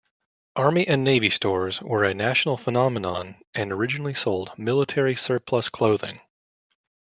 "Army and Navy Stores" were a national phenomenon and originally sold military-surplus clothing.